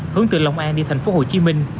hướng từ lòng an đi tp hcm